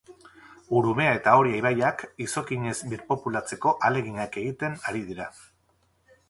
Urumea eta Oria ibaiak izokinez birpopulatzeko ahaleginak egiten ari dira.